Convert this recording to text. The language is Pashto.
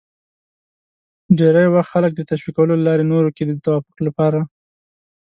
ډېری وخت خلک د تشویقولو له لارې نورو کې د توافق لپاره